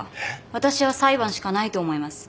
私は裁判しかないと思います。